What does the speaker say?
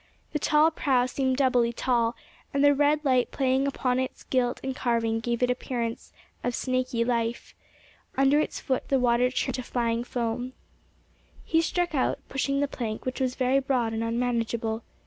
The tall prow seemed doubly tall, and the red light playing upon its gilt and carving gave it an appearance of snaky life. Under its foot the water churned to flying foam. He struck out, pushing the plank, which was very broad and unmanageable.